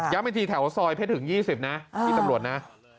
อีกทีแถวซอยเพชรหึง๒๐นะพี่ตำรวจนะ